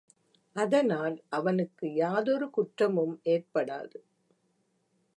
அதனால் அவனுக்கு யாதொரு குற்றமும் ஏற்படாது.